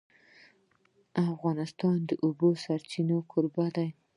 افغانستان د د اوبو سرچینې کوربه دی.